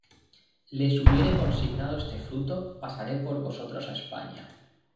les hubiere consignado este fruto, pasaré por vosotros á España.